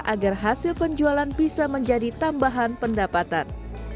agar hasil penjualan bisa menjadi tambahan pendapatan